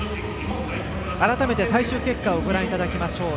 改めて最終結果をご覧いただきましょう。